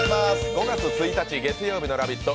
５月１日月曜日の「ラヴィット！」